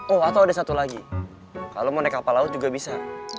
oh atau ada satu lagi kalau mau naik kapal laut juga bisa